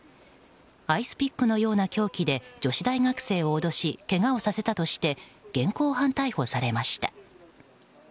アイスピックのような凶器で女子大学生を脅しけがをさせたとして現行犯逮捕されました。